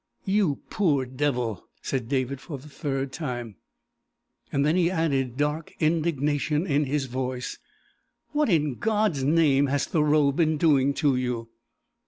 "You poor devil!" said David for the third time. Then he added, dark indignation in his voice: "What, in God's name, has Thoreau been doing to you?"